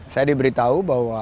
saya diberitahu bahwa